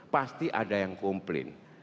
pasti ada yang kumplin